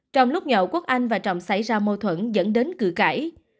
trong lúc nhậu quốc anh và trọng xảy ra mâu thuẫn dẫn đến cử cãi